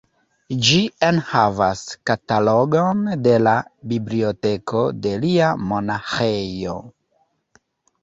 Ĝi enhavas katalogon de la biblioteko de lia monaĥejo.